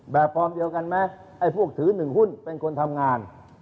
ฟอร์มเดียวกันไหมไอ้พวกถือหนึ่งหุ้นเป็นคนทำงาน